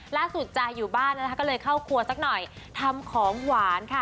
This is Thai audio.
ล่าสุดจะอยู่บ้านก็เลยเข้าครัวสักหน่อยทำของหวานค่ะ